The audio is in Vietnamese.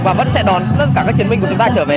và vẫn sẽ đón tất cả các chiến binh của chúng ta trở về